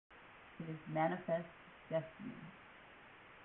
It is manifest destiny.